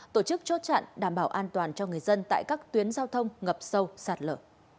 tổ chức chốt chặn đảm bảo an toàn cho người dân tại các tuyến giao thông ngập sâu sạt lở